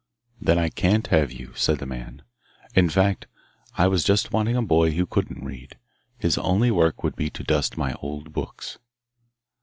Then I can't have you,' said the man. 'In fact, I was just wanting a boy who couldn't read. His only work would be to dust my old books.